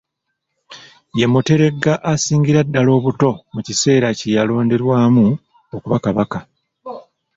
Ye muteregga asingira ddala obuto mu kiseera kye yalonderwamu okuba Kabaka.